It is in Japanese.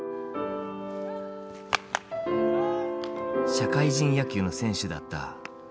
社会人野球の選手だった徹さん。